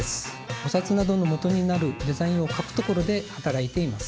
お札などのもとになるデザインを描くところではたらいています。